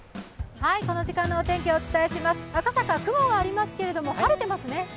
この時間のお天気、お伝えします赤坂、雲はありますけれども、晴れていますね。